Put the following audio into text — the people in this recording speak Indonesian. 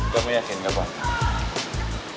kamu yakin gak apa apa